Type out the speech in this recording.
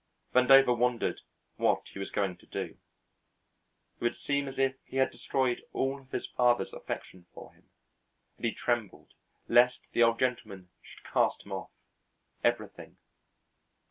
Vandover wondered what he was going to do. It would seem as if he had destroyed all of his father's affection for him, and he trembled lest the Old Gentleman should cast him off, everything.